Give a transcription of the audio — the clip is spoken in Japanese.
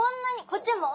こっちも？